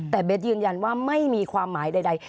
แต่เบสยืนยันว่าไม่มีความหมายใด